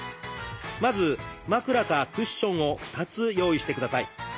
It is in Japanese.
まず枕かクッションを２つ用意してください。